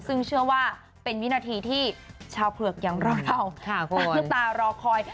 ซึ่งเชื่อว่าเป็นวินาทีที่ชาวเผือกอย่างเราต่างทุกตารอคอย